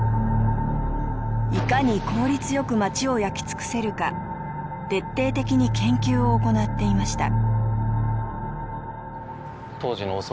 いかに効率よく街を焼き尽くせるか徹底的に研究を行っていました。